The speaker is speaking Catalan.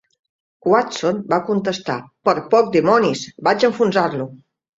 Watson va contestar, "Per poc, dimonis, vaig a enfonsar-lo.